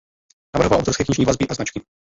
Navrhoval autorské knižní vazby a značky.